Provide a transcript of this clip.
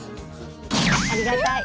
ありがたい。